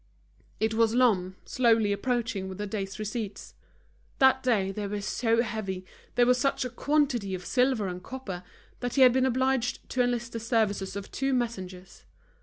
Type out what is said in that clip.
It was Lhomme slowly approaching with the day's receipts. That day they were so heavy, there was such a quantity of silver and copper, that he had been obliged to enlist the services of two messengers.